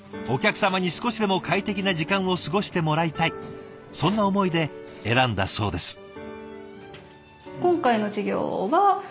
お客様に少しでも快適な時間を過ごしてもらいたいそんな思いで選んだそうです。